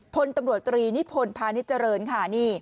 พลตำรวจตรีภลพาณิจรณ